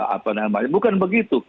apa namanya bukan begitu